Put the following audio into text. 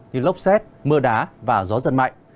như lốc xét mưa đá và gió giật mạnh